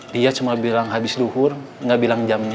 dia cuma bilang habis luhur nggak bilang jamnya